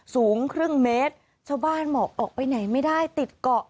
สูงครึ่งเมตรชาวบ้านบอกออกไปไหนไม่ได้ติดเกาะ